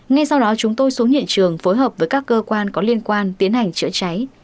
ngay sau đó chúng tôi xuống hiện trường phối hợp với các cơ quan có liên quan tiến hành chữa cháy